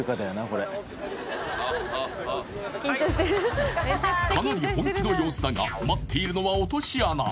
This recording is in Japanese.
これあああかなり本気の様子だが待っているのは落とし穴